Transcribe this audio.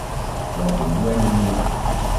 Ә өйҙә мине